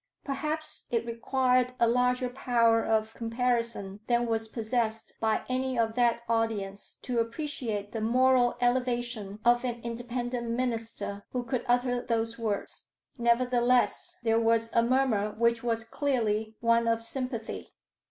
Perhaps it required a larger power of comparison than was possessed by any of that audience to appreciate the moral elevation of an Independent minister who could utter those words. Nevertheless there was a murmur which was clearly one of sympathy.